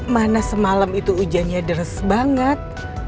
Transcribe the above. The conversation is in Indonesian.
mana semalam itu hujannya deres banget